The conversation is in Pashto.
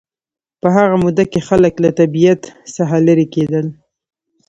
په هغه موده کې خلک له طبیعت څخه لېرې کېدل